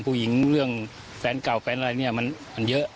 ผู้หญิงเรื่องแซนเก่าแฟนอะไรเนี้ยมันมันเยอะ